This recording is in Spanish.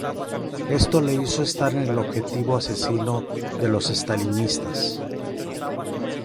Esto le hizo estar en el objetivo asesino de los estalinistas.